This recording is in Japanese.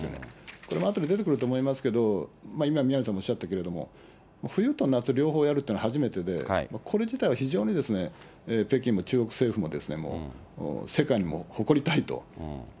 これもあとで出てくると思いますけれども、今、宮根さんもおっしゃったけれども、冬と夏、両方やるっていうのは初めてで、これ自体は非常に、北京も中国政府も、世界にも誇りたいと。